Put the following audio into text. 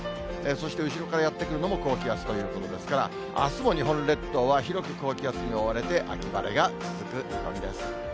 そして、後ろからやって来るのも高気圧ということですから、あすも日本列島は広く高気圧に覆われて秋晴れが続く見込みです。